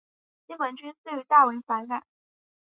西门君遂大为反感。